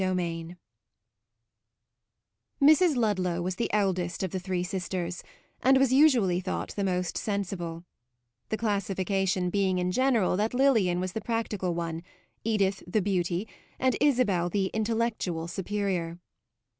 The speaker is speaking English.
CHAPTER IV Mrs. Ludlow was the eldest of the three sisters, and was usually thought the most sensible; the classification being in general that Lilian was the practical one, Edith the beauty and Isabel the "intellectual" superior.